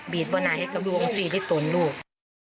บี๊ดบ่อนายให้กระดวงสีด้วยตนลูก